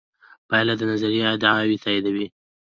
پایلې د نظریې ادعاوې تاییدوي.